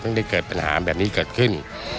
ได้เกิดปัญหาแบบนี้เกิดขึ้น